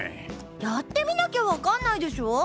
やってみなきゃ分かんないでしょ！